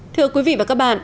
thưa quý vị và các bạn